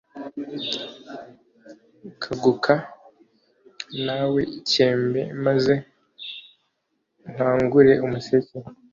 kaguka nawe cyembe, maze nkangure umuseke